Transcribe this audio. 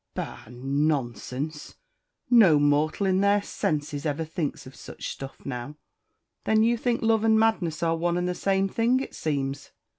Bah nonsense no mortal in their senses ever thinks of such stuff now." "Then you think love and madness are one and the same thing, it seems?"